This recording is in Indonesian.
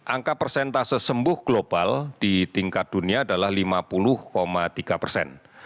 angka persentase sembuh global di tingkat dunia adalah lima puluh tiga persen